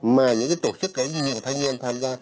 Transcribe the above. mà những tổ chức thanh niên tham gia